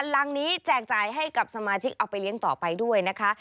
ลังนี้แจกจ่ายให้กับสมาชิกเอาไปเลี้ยงต่อไปด้วยนะคะ